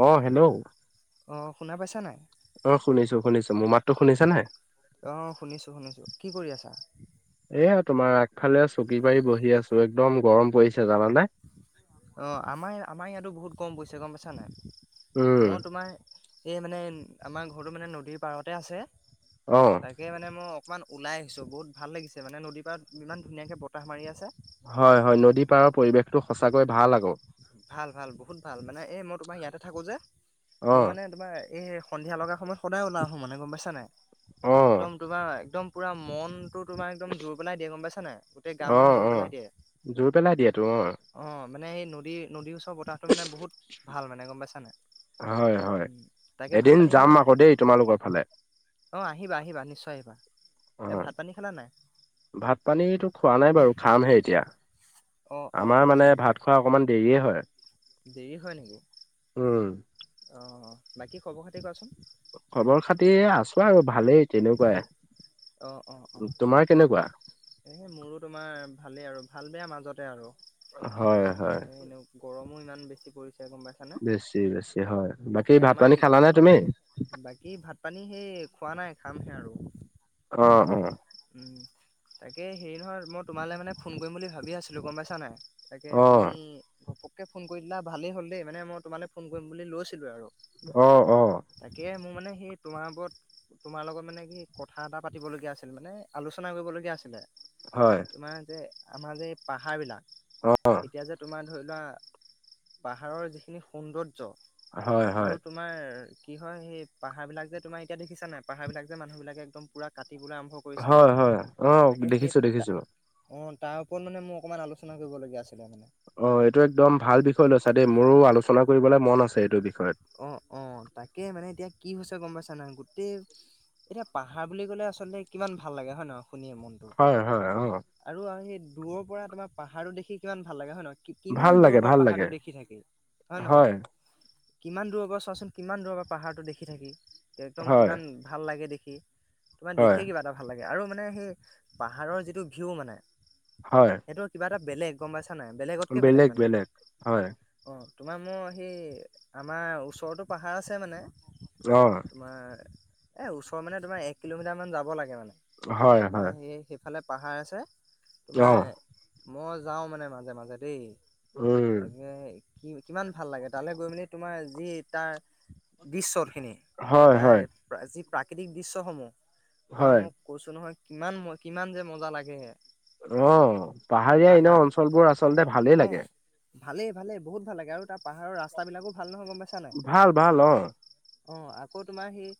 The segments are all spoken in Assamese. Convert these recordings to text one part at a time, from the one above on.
অ হেল্ল' অ', শুনা পাইছা নাই? অ', শুনিছো, শুনিছো মোৰ মাতো শুনিছা নে? অ', শুনিছো, শুনিছো, কি কৰি আছা? এয়া তোমাৰ আগফালে চকী পাৰি বহি আছো, একদম গৰম পৰিছে জানানে? অ', আমাৰ, আমাৰ ইয়াতো বহুত কম পইছে গম পাইছানে মই উম তোমাৰ সে মানে আমাৰ ঘৰো মানে নদীৰ পাৰতে আছে অ তাকে মানে মই অকণমান ওলাই আহিছো বহুত ভাল লাগিছে মানে নদী পৰা ইমান ধুনীয়াকে বতাহ মাৰি আছে। হয়, হয় নদী পাৰৰ পৰিৱেশটো সঁচাকৈয়ে ভাল আকৌ। ভাল, ভাল বহুত ভাল মানে এই মই তোমাৰ ইয়াতে থাকো যে অ মই মানে তোমাৰ এই সন্ধিয়া লগা সময়ত সদায় ওলাই আহোঁ মানে গম পাইছ নাই অ একদম তোমাৰ একদম পুৰা মন টো তোমাৰ একদম জোৰ পেলাই দিয়ে গম পাইছ নে গোটেই অ গন জোৰ অ পেলাই দিয়ে জোৰ পেলাই দিয়েতো অ অ'। মানে সেই নদী, নদীৰ ওচৰ বতাহটো মানে বহুত ভাল মানে গম পাইছানে। হয়, হয় এদিন যাম আকৌ দেই তোমালোকৰ ফালে। অ', আহিবা আহিবা, নিশ্চয় আহিবা। এ অ', ভাত পানী খালা নাই? ভাত পানীটো খোৱা নাই বাৰু খামহে এতিয়া। অ' অ' আমাৰ আচ্ছা মানে আচ্ছা ভাত খোৱা অকমান দেৰিয়ে হয়। দেৰি হয় নেকি? উম। অ', বাকী খবৰ খাতি কোৱাচোন। খবৰ খাতি আছো আৰু ভালেই তেনেকুৱাই। অ', অ', অ', তোমাৰ কেনেকুৱা সহে মোৰো তোমাৰ ভালেই আৰু ভাল বেয়া মাজ মাজতে আৰু হয় হয় এনে গৰমো ইমান বেছি পৰিছে। গম পাইছানে? বেছি, বেছি হয়। বাকী তাকে ভাত আমাৰ পানী খালানে তুমি এই বাকী ভাত পানী সেই খোৱা নাই খামহে আৰু। অ', হুম হুম হুম। উম, তাকে হেৰি নহয় মই তোমালৈ মানে ফোন কৰিম বুলি ভাবি আছিলো গম পাইছা নাই। তাকে, অ তুমি ঘপককে ফোন কৰি দিলা ভালেই হ'ল দেই মানে মই তোমালৈ ফোন কৰিম বুলি লৈছিলো আৰু। অ, অ। তাকে মোৰ মানে সেই তোমাৰ ওপৰত তোমাৰ লগত মানে কি কথা এটা পাতিব লগীয়া আছিল মানে আলোচনা কৰিবলগীয়া আছিলে। হয় তোমাৰ যে আমাৰ যে এই পাহাৰবিলাক অ এতিয়া যে তোমাৰ ধৰি লোৱা পাহাৰৰ যিখিনি সৌন্দৰ হয় হয় আৰু তোমাৰ কি হয় সেই পাহাৰবিলাক যে তোমাৰ এতিয়া দেখিছা নাই পাহাৰবিলাক যে মানুহবিলাকে একদম পুৰা কাটিবলৈ আৰম্ভ কৰিছে হয়, হয়, তাকে সেই অ'দেখিছো দেখিছো। অঁ তাৰ ওপৰত মানে মোৰ অকমান আলোচনা কৰিবলগীয়া আছে। অ, এইটো একদম ভাল বিষয় লৈছা দেই মোৰো আলোচনা কৰিবলৈ মন আছে এইটো বিষয়। অ, অ, তাকে মানে এতিয়া কি হৈছে গম পাইছা নাই, গোটেই এতিয়া পাহাৰ বুলি ক'লে আচলতে কিমান ভাল লাগে হয় নে ন শুনিয়ে মনটো, হয় হয় অ আৰু সেই দূৰৰ পৰা তোমাৰ পাহাৰটো দেখি কিমান ভাল লাগে হয় নহয়। কিমান ভাল দূৰৰ লাগে পৰা ভাল লাগে পাহাৰটো দেখি থাকে হয় নহয়। কিমান দূৰৰ পৰা চোৱাচোন কিমান দূৰৰ পৰা পাহাৰটো দেখি থাকি একদম হয় কিমান ভাল লাগে দেখি। তোমাৰ হয় দেখিয়ে কিবা এটা ভাল লাগে আৰু মানে সেই পাহাৰৰ যিটো ভিউ মানে। হয় সেইটো কিবা এটা বেলেগ গম পাইছা নাই বেলেগতকে বেলেগ মানে, অ' তোমাৰ মোৰ সেই আমাৰ ওচৰতো পাহাৰ আছে মানে অ তোমাৰ এ ওচৰ মানে তোমাৰ এক কিলোমিটাৰ মান যাব লাগে মানে। হয়, হয়। ফালে পাহাৰ আছে। অ তোমাৰ মই যাওঁ মানে মাজে মাজে দেই। উম তাকে, কি কিমান ভাল লাগে তালৈ গৈ মানে তোমাৰ যি তাৰ দৃশ্যখিনি, হয় হয় তাৰ যি প্ৰাকৃতিক দৃশ্যসমূহ। বা হয় মই কৈছো নহয় কিমান ম কিমান যে মজা লাগে। অ, পাহাৰীয়া এনে অঞ্চলবোৰ আচলতে ভালেই অ লাগে। ভালেই, ভালেই, বহুত ভাল লাগে। আৰু তাৰ পাহাৰৰ ৰাস্তা বিলাকো ভাল নহয়। গম পাইছা নাই ভাল ভাল অ'। অ, আকৌ তোমাৰ সেই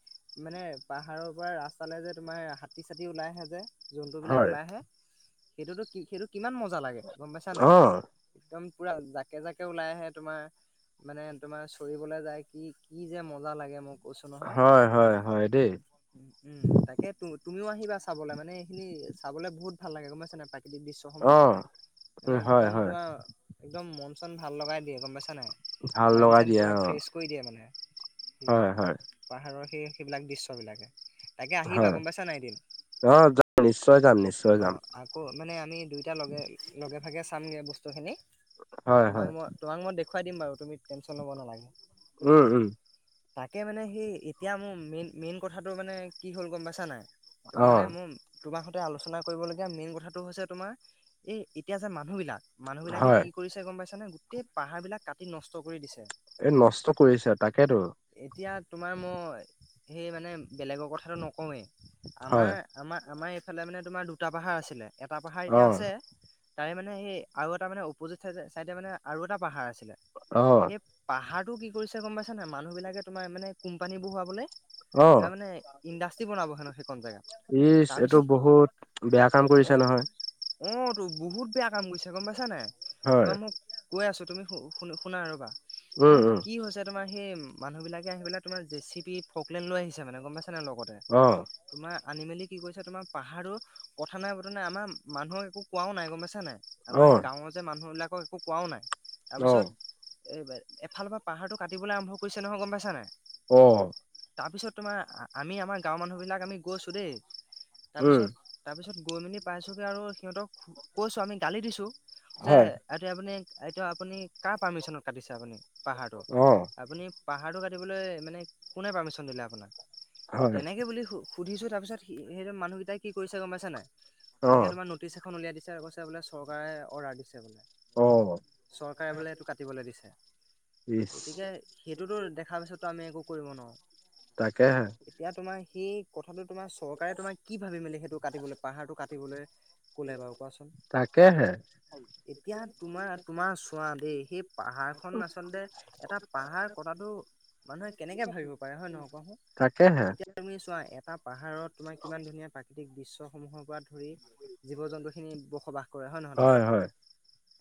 মানে পাহাৰৰ পৰা ৰাস্তালে যে তোমাৰ হাতী চাতী ওলাই আহে যে। জন্তুবিলাক হয় ওলাই আহে। সেইটোতো কি সেইটো কিমান মজা লাগে গম পাইছা নাই। অ', একদম পূৰা জাকে জাকে ওলাই আহে তোমাৰ মানে তোমাৰ চৰিবলৈ যায় কি কি যে মজা লাগে মোক কৈছো নহয়। হয়, হয়, হয় দেই। উম তাকে তু তুমিও আহিবা চাবলৈ মানে এইখিনি চাবলৈ বহুত ভাল লাগে গম পাইছা নাই। প্ৰাকৃতিক দৃশ্যসমূহ, অ', মানে উম, হয়, একদম হয়, তোমাৰ একদম মন চন ভাল লগাই দিয়ে গম পাইছা নাই। ভাল মাইণ্ড লগাই চাইন দিয়ে পূৰা অ', ফ্ৰেছ কৰি দিয়ে মানে হয়, হয়, সেই পাহাৰৰ সেই সেইবিলাক দৃশ্যবিলাকে। তাকে আহিবা হয়, গম পাইছা নাই এদিন অ' যাম নিশ্চয় যাম, নিশ্চয় অ যাম। আকৌ মানে আমি দুইটা লগে লগে ভাগে চামগে বস্তু খিনি হয়, তোমাক হয়, মই তোমাক মই দেখুৱাই দিম বাৰু তুমি টেনশন ল'ব নালাগে। উম উম। তাকে মানে সেই এতিয়া মোৰ মেইন মেইন কথাটো মানে কি হ'ল গম পাইছা নাই। তোমাৰ মানে অ', মোৰ তোমাৰ সৈতে আলোচনা কৰিবলগীয়া মেইন কথাটো হৈছে তোমাৰ এই এতিয়া যে মানুহ বিলাক, মানুহ বিলাকে হয়। কি কৰিছে গম পাইছ নে। সেই পাহাৰ বিলাক কাটি নষ্ট কৰি দিছে। এই নষ্ট কৰিছে তাকেতো। এতিয়া তোমাৰ মই সেই মানে বেলেগৰ কথাটো নকওঁৱেই হয়, আমাৰ, আমাৰ আমাৰ এ এইফালে মানে তোমাৰ দুটা পাহাৰ আছিলে, এটা পাহাৰ এতিয়া আছে। অ', তাৰে মানে সেই আৰু এটা মানে অপজিত চাইডে মানে আৰু এটা পাহাৰ আছিলে। অ', সেই পাহাৰটো কি কৰিছে গম পাইছা নাই মানুহ বিলাকে তোমাৰ মানে কোমপানী বোৰ হোৱাবলে, ত অ'। মানে ইণ্ডাষ্ট্ৰি বনাব হেনো সেই। ই এইটো বহুত বেয়া কাম অ কৰিছে নহয়। অ' তোৰ বহুত বেয়া কাম কৰিছে গম পাইছা নাই হয়, তোমাৰ মোক কৈ আছো তুমি শু-শুনা ৰবা মানে উম, উম, কি হৈছে তোমাৰ সেই মানুহ বিলাকে আহি পেলাই তোমাৰ জেচিপি ফকলেন লৈ আহিছে মানে গম পাইছ নে লগতে, অ', তোমাৰ আনি মেলি কি কৰিছে তোমাৰ পাহাৰো কথা নাই বতৰা নাই আমাৰ মানুহক একো কোৱাও নাই গম পাইছা নাই। আমাৰ অ', গাঁৱৰ যে মানুহবিলাকক একো কোৱাও নাই অ', তাৰপিছত, এইবাৰ এফালৰ পৰা পাহাৰটো কাটিবলৈ আৰম্ভ কৰিছে নহয় গম পাইছা নাই। অহ, তাৰপিছত তোমাৰ আমি আমাৰ গাঁৱৰ মানুহবিলাক আমি গৈছোঁ দেই উম, তাৰপিছত তাৰপিছত গৈ মেলি পাইছগে আৰু সিহঁতক কৈছো আমি গালি দিছো যে হয়, এতে আপুনি এতিয়া আপুনি কাৰ পাৰ্মিচনত কাটিছে আপুনি পাহাৰটো অ', আপুনি, পাহাৰটো কাটিবলৈ মানে কোনে পাৰ্মিশন দিলে আপোনাক হয়, তেনেকে বুলি সুধিছো। তাৰপিছত সেই মানুহকেইাই কি কৰিছে গমাই নাই এনেকে অ', তোম নটি এ উলিয়াই দিছে আৰু কছে বোলে, চৰকাৰে অৰ্ডাৰ দিছে বোলে। অ', চৰকাৰে বোলে এইটো কাটিবলৈ দিছে ইচ, গতিকে সেইটোতো দেখাৰ পিছতো আমি একো কৰিব নোৱাৰো। তাকে হে। এতিয়া তোমাৰ সেই কথাটো তোমাৰ চৰকাৰে তোমাক কি ভাবি মেলি সেইটো, কাটিবলৈ পাহাৰটো কাটিবলে তাকে হে। এতিয়া তোমাৰ-তোমাৰ চোৱা দেই সেই পাহাৰখন আচলতে এটা পাহাৰ কটাটো মানুহে কেনেকে ভাবিব পাৰে হয়নে নহয় কোৱাচোন। তাকেহে, এতিয়া তুমি চোৱা এটা পাহাৰত তোমাৰ কিমান ধুনীয়া প্ৰাকৃতিক, সমূহৰ পৰা ধৰি জীৱ জন্তুখিনি বসবাস কৰে হয় নহয় তাত।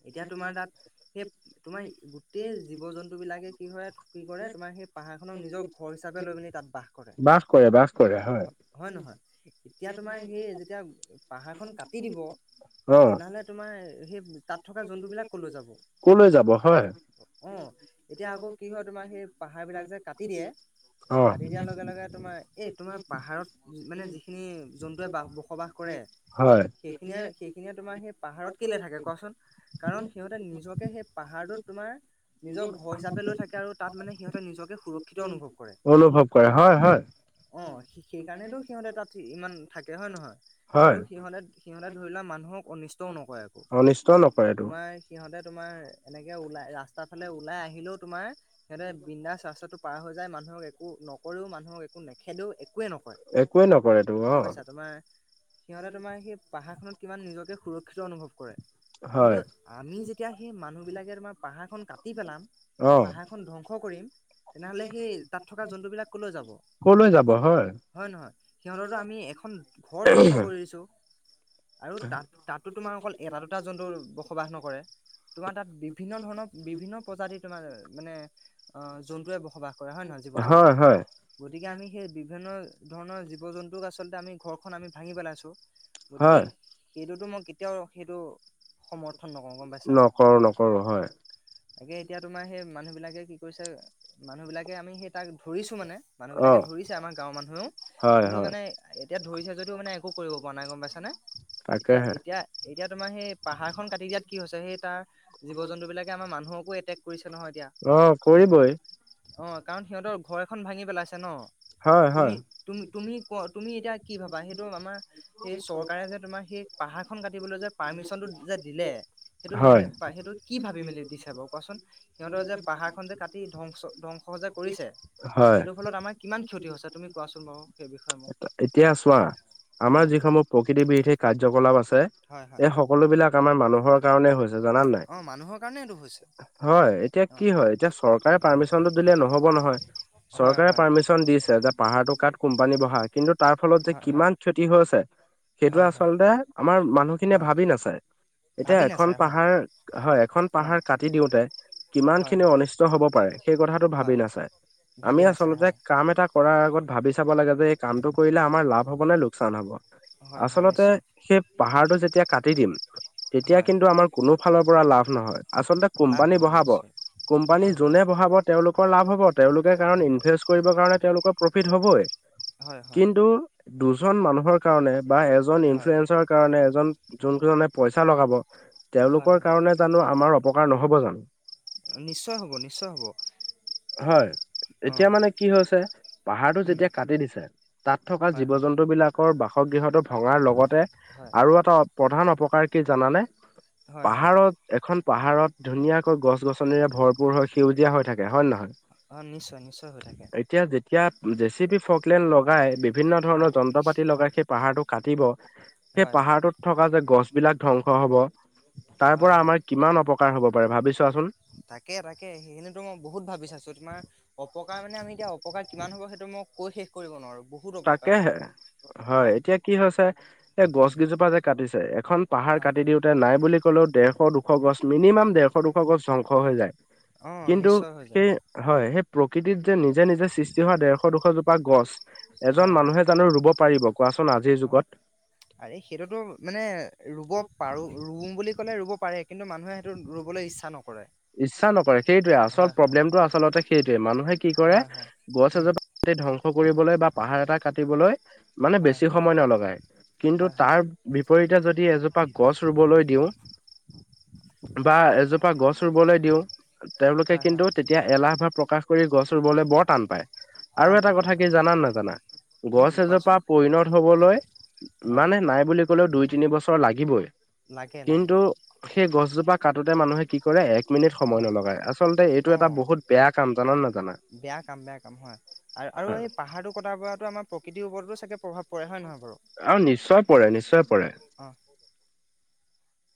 এতিয়া তোমাৰ তাত সেই তোমাৰ গোটেই জীৱ জন্তু বিলাকে কি কৰে কি কৰে তোমাৰ, সেই পাহাৰ খনৰ নিজৰ ঘৰ হিচাপে লৈ পি তাত বাস কৰে বাস কৰে বাস কৰে হয় নহয়। এতিয়া তোমাৰ সেই যেতিয়া পাহাৰ খন কাটি দিব অ তেনেহলে তোমাৰ সেই তাত থকা জন্তুবলাক কলৈ যাব। কলৈ যাব হয়। অ', এতিয়া আকৌ কি হয় তোমাৰ সেই পাহাৰ বিলাক যে কাটি দিয়ে অ কাটি দিয়াৰ লগে-লগে তোমাৰ এই তোমাৰ পাহাৰত মানে যিখিনি জন্তুৱে ব বসবাস কৰে হয় সেইখিনিয়ে-সেইখিনিয়ে তোমাৰ সেই পাহাৰত কেলে থাকে কোৱাচোন কাৰণ সিহঁতে নিজকে সেই পাহাৰটোত তোমাৰ নিজৰ ঘৰ হিচাপে লৈ থাকে আৰু তাত মানে সিহঁতে নিজকে সুৰক্ষিত অনুভৱ, কৰে অনুভৱ কৰে হয়-হয়। অ' সেইকাৰণেতো সিহঁতে তাত ইমান থাকে হয় নহয় হয় আৰু সিহঁতে, সিহঁতে ধৰি লোৱা মানুহক অনিষ্টও নকৰে একো অনিষ্ট নকৰেতো তোমাৰ সিহঁতে, তোমাৰ এনেকে ওলাই ৰাস্তা ফালে ওলাই আহিলেও তোমাৰ সহঁতে বিন্দাস ৰাস্তাটো। পাৰ হৈ যায় মানুহক একো নকৰো মানুহক একো নেখেদেও। একোৱে নকৰে একোৱে নকৰেতো গম অ পাইছা তোমাৰ সিহঁতে তোমাৰ সেই পাহাৰ খনত কিমান নিজকে সুৰক্ষিত অনুভৱ কৰে কিন্তু হয় আমি যেতিয়া সেই মানুহ বিলাকে তোমাৰ পাহাৰখন কাটি পেলাম, অ পাহাৰখন ধ্বংস কৰিম তেনেহলে সেই তাত থকা জন্তুবিলাক কলৈ যাব। কলৈ যাব হয় নহয় সিহঁততো আমি এখন ঘৰ ধ্বংস কৰি দিছো। আৰু তাত তাতো তোমাৰ অকল এটা দুটা জন্তু বসবাস নকৰে। তোমাৰ তাত বিভিন্ন ধৰণৰ বিভিন্ন প্ৰজাতিৰ তোমাৰ মানে অহ জন্তুৱে বসবাস কৰে। কৰা হয় নে নহয় জীৱ জন্তুৱে হয় হয় গতিকে আমি সেই বিভিন্ন ধৰণৰ জীৱ জন্তুক আচলতে আমি ঘ এইখন আমি ভাঙি পেলাইছোঁ গতিকে হয় সেইটোতো মই কেতিয়াও সেইটো সমৰ্থন নকৰো গম পাইছা নকৰো নকৰো হয় তাকে এতিয়া তোমাৰ সেই মানুহ [unintelligible] বিলাকে কি কৰিছে মানুহ বিলাকে আমি সেই তাক ধৰিছো মানে মানুহ অ বিলাকে ধৰিছে আমাৰ গাঁৱৰ মানুহেও হয় কিন্তু হয় মানে এতিয়া ধৰি এতিয়া যদিও মানে একো কৰিব পৰা নাই গম পাইছা নে তাকেহে এতিয়া-এতিয়া-এতিয়া তোমাৰ সেই পাহাৰখন কাটি দিয়াত কি হৈছে সেই তাৰ জীৱ জন্তু বিলাকে আমাৰ মানুহকো এটেক কৰিছে নহয় এতিয়া। অ কৰিব। অ কাৰণ সিহঁতৰ ঘৰ এখন ভাঙি পেলাইছে। ন হয় তুমি হয়। তুমি তুমি ক তুমি এতিয়া কি ভাবা সেইটো আমাৰ সেই চৰকাৰে যে তোমাৰ সেই পাহাৰখন কাটিবলৈ যে পাৰ্মিশনটো যে দিলে। সেইটো হয় সিহঁতে সেইটো কি ভাবি মেলি দিছে বাৰু কোৱাচোন সিহঁতৰ যে পাহাৰ খন যে কাটি ধ্বংস ধ। অংসহজে কৰিছে হয় সেইটো ফলত আমাৰ কিমান ক্ষতি হৈছে তুমি কোৱাচোন বাৰু সেই বিষয়ে মোক। এতিয়া চোৱা অ আমাৰ যিসমূহ প্ৰকৃতি বিৰোধী কাৰ্যকলাপ আছে। হয় হয় এই সকলো বিলাক আমাৰ মানুহৰ কাৰণে হৈছে জানান নাই? অ মানুহৰ কাৰণে এইটো হৈছে হয় এতিয়া অ কি হয় এতিয়া চৰকাৰে পাৰ্মিচনটো দিলে নহব নহয়। হয় চৰকাৰে হয় পাৰ্মিশন দিছে যে পাহাৰটো কাত কোম্পানী বহা কিন্তু তাৰ ফলত যে হয় হয় কিমান ক্ষতি হৈ আছে সেইটো হয় হয় আচলতে আমাৰ মানুহখিনিয়ে অ ভাবি নাচায়। এতিয়া ভাবি এখন নাচায় হয় পাহাৰ হয় এখন অ পাহাৰ কাটি দিওঁতে। কিমান হয় খিনি হয় অনিষ্ট হব পাৰে সেই কথাটো ভাবি হয় নাচায়। আমি ভাবি নাচায় আচলতে হয় কাম এটা কৰাৰ আগত ভাবি চাব লাগে যে। কামটো কৰিলে আমাৰ লাভ হব নে লোকচান হব। হয় হয় আচলতে নিশ্চয় সেই পাহাৰটো যেতিয়া কাটি দিম। তেতিয়া হয় কিন্তু আমাৰ কোনো ফালৰ পৰা লাভ নহয় আচলতে লাভ কোম্পানী নহয় বঢ়াব। নিশ্চয় কোম্পানী হয় হয় যোনে বঢ়াব তেওঁলোকৰ লাভ হব তেওঁলোকে কাৰণ ইনভেষ্ট কৰিবৰ কাৰণে। তেওঁলোকৰ প্ৰফিত হ'বই হয় হয় কিন্তু দুজন মানুহৰ কাৰণে। বা এজন হয় ইনফ্লয়েঞ্চৰ কাৰণে এজন যোন কেইজনে পইচা লগাব। হয় তেওঁলোকৰ হয় কাৰণে জানো আমাৰ অপকাৰ নহব জানো। নিশ্চয় হ'ব নিশ্চয় হ'ব। হয়, অ এতিয়া মানে কি হৈছে পাহাৰটো উম যেতিয়া কাটি দিছে। তাত থকা হয় হয় জীৱ-জন্তু বিলাকৰ বাসগৃহটো ভঙাৰ লগতে হয় আৰু এটা প্ৰধান অপকাৰ কি জানানে? হয় হয় পাহাৰত এখন পাহাৰত ধুনীয়াকৈ গছ-গছনিৰে ভৰপূৰ হৈ সেউজীয়া হৈ থাকে। হয়নে নহয়? অ' নিশ্চয় নিশ্চয় হৈ থাকে। এতিয়া জে চি বি ফকলেন লগাই বিভিন্ন ধৰণৰ হয় যন্ত্ৰ-পাতি লগাই সেই পাহাৰটো কাটিব। সেই হয় পাহাৰটোত থকা যে গছ বিলাক ধ্বংস হ'ব। তাৰ হয় পৰা হয় আমাৰ কিমান অপকাৰ হব পাৰে, ভাবি চোৱাচোন। তাকে তাকে সেইখিনিতো মই বহুত ভাবি চাইছো। তোমাৰ অপকাৰ মানে আমি এতিয়া অপকাৰ কিমান হ'ব সেইটো মই কৈ শেষ কৰিব নোৱাৰো, বহুত অপকাৰ হব। তাকেহে অ হয়, এতিয়া কি হৈছে এ গছ উম কিজোপা যে কাটিছে এখন পাহাৰ হয় কাটি দিওঁতে নাই বুলি কলেও ডেৰশ দুশ গছ মিনিমাম ডেৰশ দুশ গছ ধ্বংস হৈ যায়। অ কিন্তু নিশ্চয় হৈ যায় সেই হয়। সেই প্ৰকৃতিত যে নিজে নিজে সৃষ্টি হোৱা ডেৰশ-দুশজোপা গছ হয় এজন হয় মানুহে জানো ৰুব পাৰিব। কোৱাচোন, আজিৰ অ', যুগত। আৰে, সেইটোতো মানে ৰুব পাৰো ৰুম বুলি ক'লে ৰুব পাৰে কিন্তু মানুহে সেইটো ৰুবলে ইচ্ছা নক ইচ্ছা নকৰে সেইটোৱে, আচল হয়, প্ৰব্লেমটো আচলতে সেইটোয়ে। মানুহে, কি কৰে হয়, হয়, গছ উম, এজোপা ধ্বংস কৰিবলৈ বা পাহাৰ এটা কাটিবলৈ। মানে হয়, বেছি সময় নলগাই, কিন্তু হয়, হয়, তাৰ বিপৰীতে যদি এজোপা গছ ৰুবলৈ দিওঁ। [inaudible] বা এজোপা গছ গছ ৰুবলৈ দিওঁ। তেওঁলোকে হয়, হয়, কিন্তু তেতিয়া এলাহ ভাৱ প্ৰকাশ কৰি গছ ৰুবলৈ বৰ টান পায়। টান আৰু এটা পায়, টান কথা কি পায়, জানা নাজানা? উম, গছ কোৱাচোন এজোপা পৰিণত হ'বলৈ, হয়, মানে নাই বুলি কলেও দুই তিনি বছৰ লাগিবই। লাগে, লাগে, কিন্তু সেই গছজোপা কাটোতে মানুহে কি কৰে এক মিনিট সময় হয়, নলগাই, আচলতে এইটো এটা অ'। বহুত বেয়া কাম জানা নে নাজানা। বেয়া কাম, বেয়া কাম হয়, আৰু, আৰু হয় এই পাহাৰটো কটাৰ পৰাতো আমাৰ প্ৰকৃতিৰ ওপৰতো চাগে প্ৰভাৱ পৰে হয় নহয় বাৰু? অ', নিশ্চয় পৰে, নিশ্চয় পৰে। অ',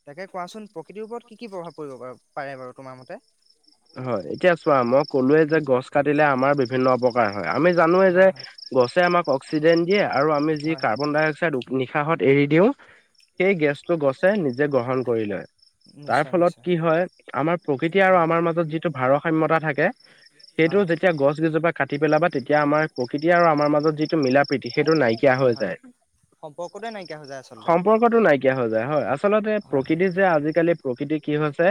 তাকে কোৱাচোন প্ৰকৃতিৰ ওপৰত কি, কি প্ৰভাৱ পৰিব পা-পাৰে বাৰু তোমাৰ মতে? হয়, এতিয়া চোৱা মই কলোয়ে যে, উম, গছ কাটিলে আমাৰ বিভিন্ন অপকাৰ হয়। আমি জানোৱে যে, হয়, হয়, গছে আমাক অক্সিজেন দিয়ে, আৰু আমি যি হয়, কাৰ্বন ডাই অক্সাইড নিশাহত এৰি দিওঁ, সেই গেছটো গছে নিজে গ্ৰহণ কৰি লয়। তাৰ নিশ্চয়, ফলত নিশ্চয়, কি হয়, আমাৰ প্ৰকৃতি আৰু হয়, আমাৰ মা ভাৰসাম্যতা থাকে, সেইটো হয়, যেতিয়া গছকিজোপা কাটি পেলাবা তেতিয়া আমাৰ প্ৰকৃতি আৰু আমাৰ মাজত যিটো মিলা প্ৰীতি সেইটো নাইকীয়া হৈ যায়। নাইকীয়া [unintelligible] সম্পৰ্কটো নাইকীয়া হৈ যায় হয়, আচলতে হয় হয় প্ৰকৃতি যে, আজিকালি প্ৰকৃতি কি হৈছে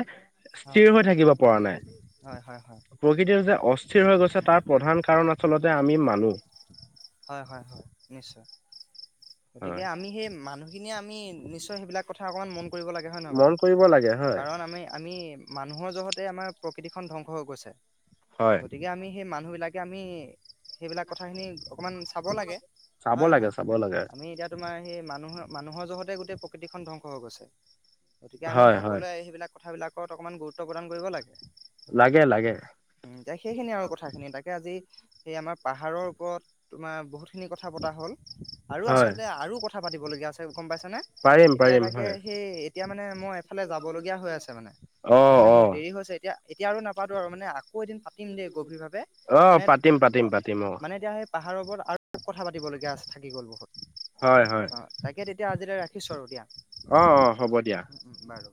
হয় স্থিৰ হৈ থাকিব পৰা নাই। হয় হয় হয় প্ৰকৃতি যে, অস্থিৰ হৈ গৈছে তাৰ প্ৰধান কাৰণ আচলতে আমি মানু্ হয়, হয়, হয়, নিশ্চয়। গতিকে হয় আমি সেই মানুহখিনিয়ে আমি নিশ্চয় সেইবিলাক কথা অকণমান মন কৰিব লাগে হয়নে ন বাৰু, মন কৰিব লাগে হয় কাৰণ আমি, আমি মানুহৰ জহত তাতে আমাৰ প্ৰকৃতিখন ধ্বংস হৈ গৈছে, হয় গতিকে আমি সেই মানুহ বিলাকে আমি সেইবিলাক কথাখিনি অকমান চাব লাগে চাব হয়, লাগে নহয়? চাব লাগে আমি এতিয়া তোমাৰ সেই মানুহৰ, মানুহৰ জহতে গোটেই প্ৰকৃতিখন ধ্বংস হৈ গৈছে। গতিকে আমি হয় হয় সকলোৱে সেইবিলাক কথাবিলাকত অকণমান গুৰুত্ব প্ৰদান কৰিব লাগে। লাগে লাগে উম, সেইখিনি আৰু কথাখিনি তাকে আজি সেই আমাৰ পাহাৰৰ ওপৰত তোমাৰ বহুতখিনি কথা পতা হ'ল, আৰু হয় আচলতে আৰু কথা পাতিব লগীয়া আছে। গম পাইছে নে? পাৰিম এতিয়া পাৰিম তাকে হয় সেই এতিয়া মানে মই এফালে যাবলগীয়া হৈ আছে মানে। অ সেইকাৰণে অ মোৰ দেৰি হৈছে এতিয়া এতিয়া আৰু নাপাতোঁ আৰু মানে আকৌ এদিন পাতিম দেই গভীৰভাৱে অ মানে পাতিম পাতিম অ', পাতিম অ মানে এতিয়া সেই পাহাৰৰ ওপৰত আৰু কথা পাতিবলগীয়া থাকি গ'ল বহুত হয় হয় অ', তাকে তেতিয়া আজি লৈ ৰাখ ৰাখিছোঁ আৰু দিয়া। অ', অ', হ'ব দিয়া। উম, উম, বাৰু বাৰু।